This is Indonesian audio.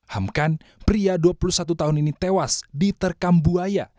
hamkan pria dua puluh satu tahun ini tewas diterkam buaya